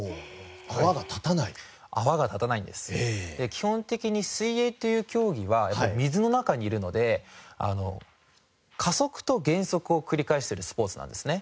基本的に水泳という競技はやっぱり水の中にいるので加速と減速を繰り返してるスポーツなんですね。